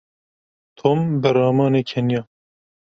Tom bi ramanê keniya.